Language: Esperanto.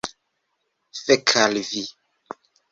Fek' al vi!